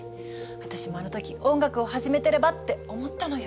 私もあの時音楽を始めてればって思ったのよ。